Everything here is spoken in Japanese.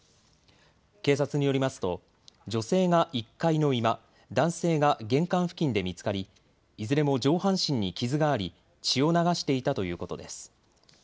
警察によりますと女性が１階の居間、男性が玄関付近で見つかりいずれも上半身に傷があり血を流していたということです。